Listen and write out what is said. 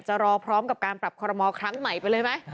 รอพร้อมกับการปรับคอรมอลครั้งใหม่ไปเลยไหม